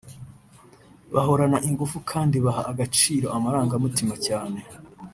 bahorana ingufu kandi baha agaciro amarangamutima cyane